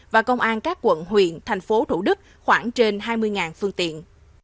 và công an các quận huyện thành phố thủ đức khoảng trên hai mươi phương tiện